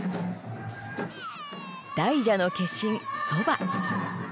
大蛇の化身ソバ。